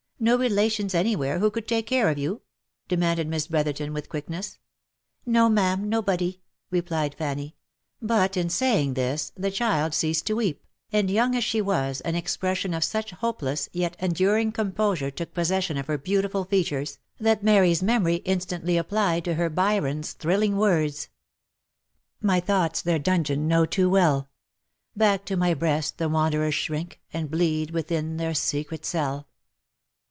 — no relations anywhere who could take care of you ?" demanded Miss Brotherton, with quickness. " No, ma'am, nobody," replied Fanny; but, in saying this, the child ceased to weep, and, young as she was, an expression of such hopeless, yet enduring composure took possession of her beautiful features, that Mary's memory instantly applied to her Byron's thrilling words —" My thoughts their dungeon know too well; Back to my breast the wanderers shrink, And bleed within their secret cell."